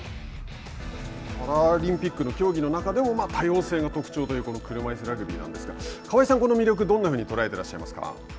パラリンピックの競技の中でも多様性が特徴というこの車いすラグビーなんですけれども河合さん、この魅力どんなふうに捉えていますか。